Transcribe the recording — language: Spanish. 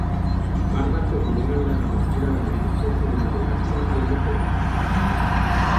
Varda fue pionera en la apertura de la dirección cinematográfica a las mujeres.